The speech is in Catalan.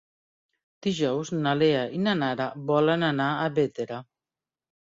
Dijous na Lea i na Nara volen anar a Bétera.